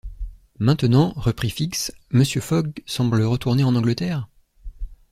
Maintenant, reprit Fix, Mr. Fogg semble retourner en Angleterre?